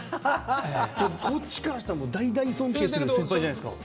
こっちからしたら大大尊敬してる先輩じゃないですか。